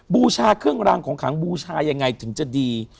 บูชาเครื่องรางของขังบูชายังไงถึงจะดี